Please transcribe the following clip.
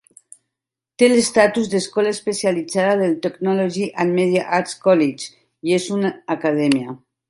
Té l'estatus d'escola especialitzada del Technology and Media Arts College, i és un acadèmia.